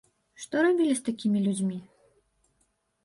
Што рабілі з такімі людзьмі?